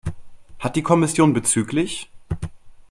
Hat die Kommission bzgl.